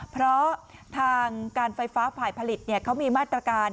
เพราะทางการไฟฟ้าฝ่ายผลิตเขามีมาตรการ